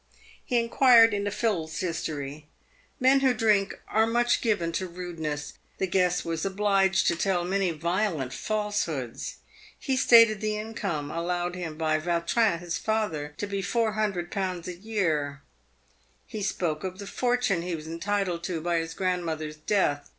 He inquired into Phil's history. Men who drink are much given to rudeness. The guest was obliged to tell many violent falsehoods. He stated the income allowed him by 2b2 372 PAYED WITH GOLD. Vautrin, his father, to be 400Z. a year. He spoke of the fortune he was entitled to by his grandmother's death.